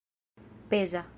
peza